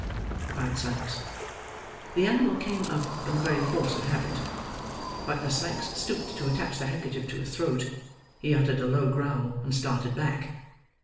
cried Sikes. The animal came up from the very force of habit; but as Sikes stooped to attach the handkerchief to his throat, he uttered a low growl and started back.